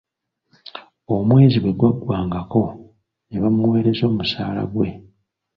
Omwezi bwe gwaggwangako, nebamuwereza omusaala ggwe.